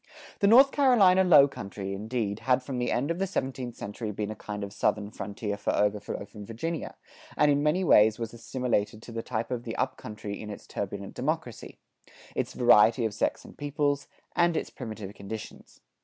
The North Carolina low country, indeed, had from the end of the seventeenth century been a kind of southern frontier for overflow from Virginia; and in many ways was assimilated to the type of the up country in its turbulent democracy, its variety of sects and peoples, and its primitive conditions.